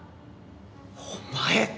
お前！